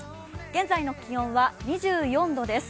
現在の気温は２４度です。